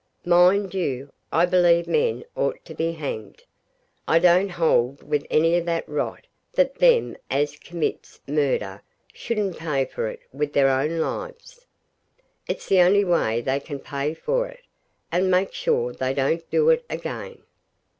Mind you, I believe men ought to be hanged. I don't hold with any of that rot that them as commits murder shouldn't pay for it with their own lives. It's the only way they can pay for it, and make sure they don't do it again.